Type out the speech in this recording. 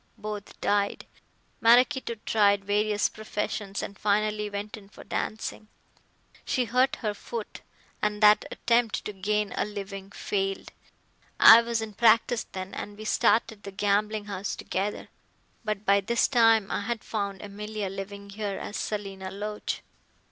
Both died. Maraquito tried various professions and finally went in for dancing. She hurt her foot, and that attempt to gain a living failed. I was in practice then and we started the gambling house together. But by this time I had found Emilia living here as Selina Loach.